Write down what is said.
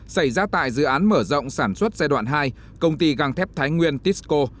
xảy ra tại dự án mở rộng sản xuất gia đoạn hai công ty gang thép thái nguyên tisco